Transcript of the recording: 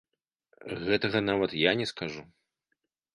Гэтага нават я не скажу.